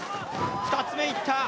２つ目いった。